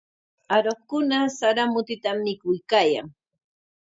Aruqkuna sara mutitam mikuykaayan.